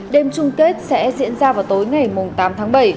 đêm chung kết sẽ diễn ra vào tối ngày tám tháng bảy